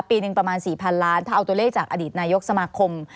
ปีหนึ่งประมาณ๔๐๐๐ล้านถ้าเอาตัวเลขจากอดีตนายกสมาคม